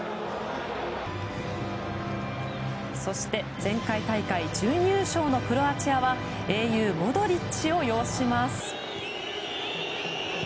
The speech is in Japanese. そして、前回大会準優勝のクロアチアは英雄、モドリッチを擁します。